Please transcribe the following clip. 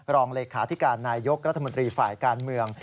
รองเลขาธิการนายยกรัฐมนตรีฝ่ายการเมือง